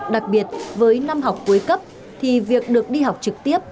đặc biệt với năm học cuối cấp thì việc được đi học trực tiếp